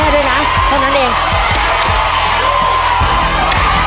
เอ้าวินจำ